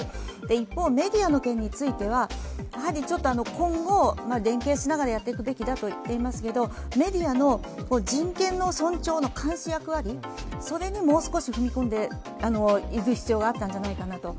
一方、メディアの件については、今後連携しながらやっていくべきだと言っていますがメディアの人権の尊重の監視役割にもう少し踏み込んでいくべきじゃないかと。